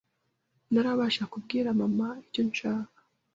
ntarabasha kubwira mama icyo nshaka